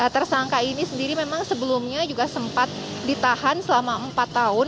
tersangka ini sendiri memang sebelumnya juga sempat ditahan selama empat tahun